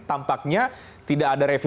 tampaknya tidak ada revisi